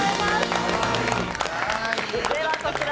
ではこちら、